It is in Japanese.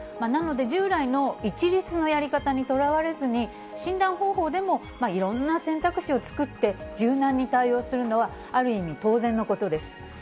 なので、従来の一律のやり方にとらわれずに、診断方法でもいろんな選択肢を作って、柔軟に対応するのはある意味当然のことです。